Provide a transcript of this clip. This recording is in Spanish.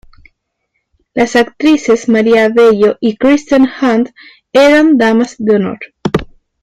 Las actrices Maria Bello y Kristen Hahn eran damas de honor.